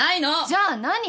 じゃあ何？